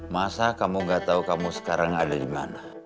masa kamu gak tahu kamu sekarang ada di mana